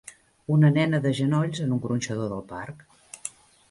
Una nena de genolls en un gronxador del parc